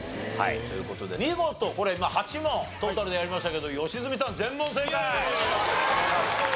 という事で見事これ８問トータルでやりましたけど良純さん全問正解！